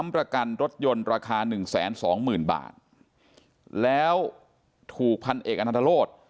ประกันรถยนต์ราคา๑แสน๒หมื่นบาทแล้วถูกพันธุ์เอกอันตราโลศ